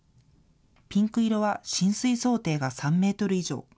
ピンク色は浸水想定が３メートル以上。